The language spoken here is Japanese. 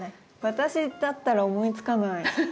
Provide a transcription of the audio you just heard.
私だったら思いつかない。